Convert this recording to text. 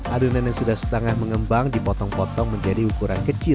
adonan yang sudah setengah mengembang dipotong potong menjadi ukuran kecil